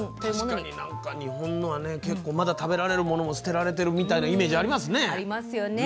確かに日本はまだ食べられるものも捨てられてるみたいなイメージありますね。